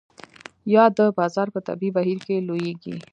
یا د بازار په طبیعي بهیر کې لویږي.